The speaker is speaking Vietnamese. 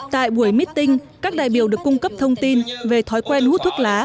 tại buổi meeting các đại biểu được cung cấp thông tin về thói quen hút thuốc lá